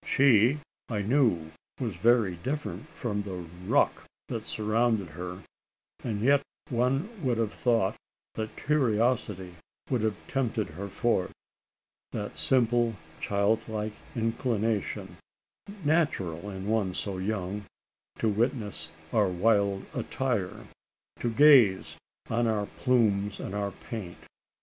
She, I knew, was very different from the "ruck" that surrounded her; and yet one would have thought that curiosity would have tempted her forth that simple childlike inclination, natural in one so young, to witness our wild attire to gaze on our plumes and our paint?